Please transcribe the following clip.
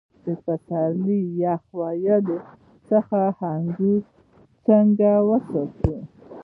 د پسرلي یخ وهلو څخه انګور څنګه وساتم؟